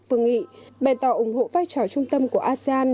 vương nghị bày tỏ ủng hộ vai trò trung tâm của asean